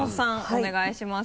お願いします。